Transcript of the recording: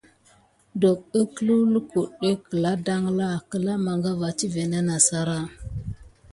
Dok ǝklǝw lukudé kǝla dangla kǝla mangava tivé nah sara.